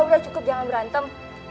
udah cukup jangan berantem